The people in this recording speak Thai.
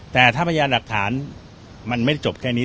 แต่ถ้าพยานหลักฐานมันไม่จบแค่นี้